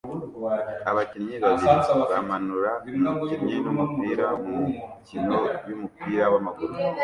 abakinnyi babiri bamanura umukinnyi numupira mumikino yumupira wamaguru